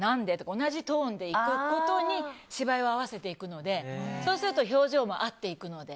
同じトーンでいくことに芝居を合わせていくのでそうすると表情も合っていくので。